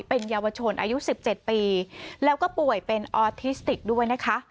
เป็นเยาวชนอายุ๑๗ปีแล้วก็ป่วยเป็นออทิสติกด้วยนะคะ